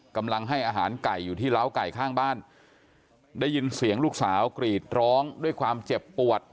กำลังให้อาหารไก่อยู่ที่ล้าวไก่ข้างบ้านได้ยินเสียงลูกสาวกรีดร้องด้วยความเจ็บปวด